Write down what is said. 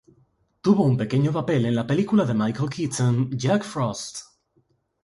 Tuvo un pequeño papel en la película de Michael Keaton, Jack Frost.